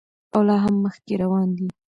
او لا هم مخکې روان دی.